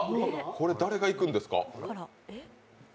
これ、誰がいくんですか？